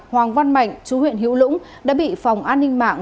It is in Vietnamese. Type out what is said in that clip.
hoàng văn mạnh chú huyện hữu lũng đã bị phòng an ninh mạng